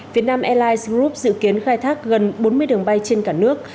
việt nam airlines group dự kiến khai thác gần bốn mươi đường bay trên cả nước